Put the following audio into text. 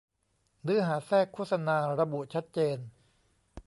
เนื้อหาแทรกโฆษณา ระบุชัดเจน